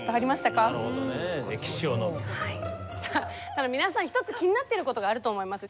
ただ皆さん１つ気になっていることがあると思います。